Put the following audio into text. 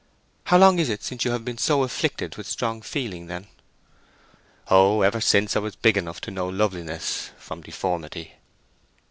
"How long is it since you have been so afflicted with strong feeling, then?" "Oh, ever since I was big enough to know loveliness from deformity."